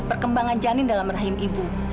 perkembangan janin dalam rahim ibu